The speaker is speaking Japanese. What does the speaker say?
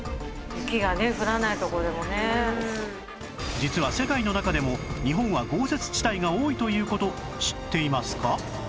実は世界の中でも日本は豪雪地帯が多いという事知っていますか？